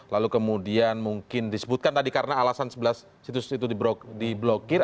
lalu kemudian mungkin disebutkan tadi karena alasan sebelas situs itu diblokir